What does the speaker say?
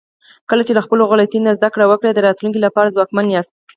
کله چې له خپلو غلطیو نه زده کړه وکړئ، د راتلونکي لپاره ځواکمن یاست.